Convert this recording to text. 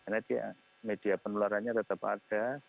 karena media penularannya tetap ada